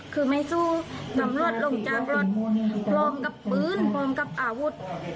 คือไม่สู้ตำรวจลงจากรถพร้อมกับปืนพร้อมกับอาวุธ